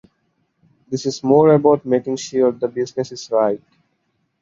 This is more about making sure the business is right.